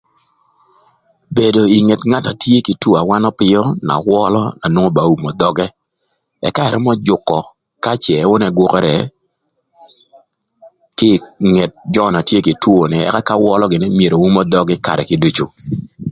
Bedo ï nget ngat na tye kï two awöna öpïö na wölö na nwongo ba oumo dhögë ëka ërömö jükö ka cë onu ëgwökërë kï ï nget jö na tye kï two ni ëka ka wölö gïnï myero umo dhögï karë kiducu.